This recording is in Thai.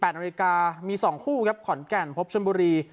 นาฬิกามี๒คู่ครับขอนแก่นพบชนบุรี